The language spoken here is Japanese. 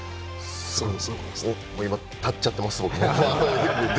立っちゃってます、僕。